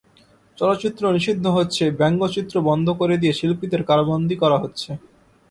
চলচ্চিত্র নিষিদ্ধ হচ্ছে, ব্যঙ্গচিত্র বন্ধ করে দিয়ে শিল্পীদের কারাবন্দী করা হচ্ছে।